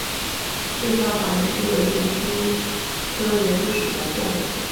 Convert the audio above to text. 类花岗园蛛为园蛛科园蛛属的动物。